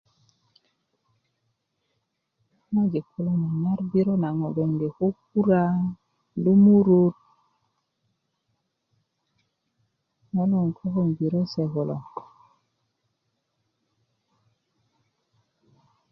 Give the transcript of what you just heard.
ŋojik kulo nyanyar birö na ŋo bgenge ko kura lumurut logon lo biriö se kulo